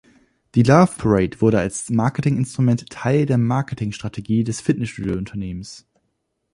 Die Loveparade wurde als Marketinginstrument Teil der Marketingstrategie des Fitnessstudio-Unternehmens.